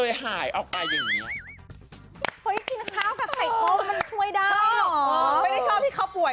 ไม่ได้ชอบที่เขาป่วย